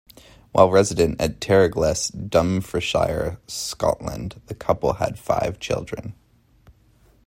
While resident at Terregles, Dumfriesshire, Scotland, the couple had five children.